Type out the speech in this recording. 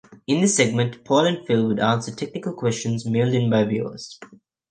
In this segment, Paul and Phil would answer technical questions mailed in by viewers.